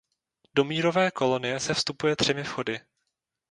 Do Mírové kolonie se vstupuje třemi vchody.